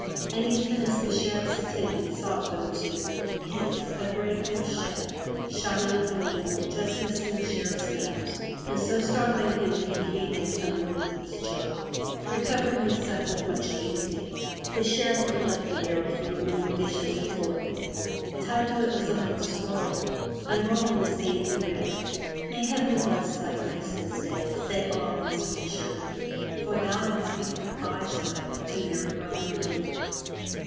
And even as the Sheriff's attendants sought for the two, hiss! a gray goose shaft shot in at the window, just missing the Sheriff's nose and so startling him that he came near tumbling out of his chair. Recovering himself with much dignity, the Sheriff picked up the arrow from among the dishes before him. Tied to it was a little scroll. Unrolling the same, he read: May heaven bless thy grace this day. Say all in sweet Sherwood; For thou didst give the prize away To merry Robin Hood.